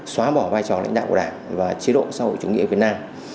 xóa bỏ vai trò lãnh đạo của đảng và chế độ xã hội chủ nghĩa việt nam